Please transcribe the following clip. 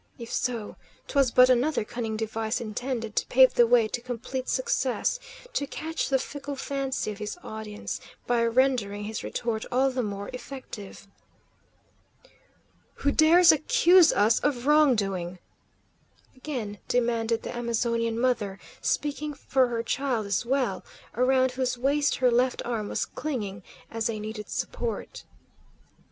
If so, 'twas but another cunning device intended to pave the way to complete success; to catch the fickle fancy of his audience by rendering his retort all the more effective. "Who dares accuse us of wrong doing?" again demanded the Amazonian mother, speaking for her child as well, around whose waist her left arm was clinging as a needed support.